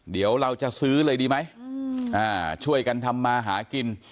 เดี๋ยวเราจะซื้อเลยดีไหมช่วยกันทำมาหากิน